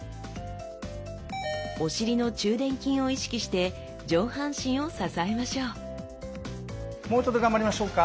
お尻の中臀筋を意識して上半身を支えましょうもうちょっと頑張りましょうか。